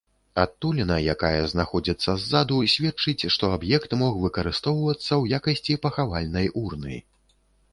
Адтуліна, якая знаходзіцца ззаду, сведчыць, што аб'ект мог выкарыстоўвацца ў якасці пахавальнай урны.